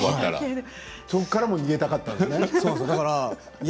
そこからも逃げたかったんですね。